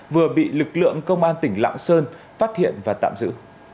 vừa bị lực lượng công an tỉnh lạng sơn phát hiện và tạm giữ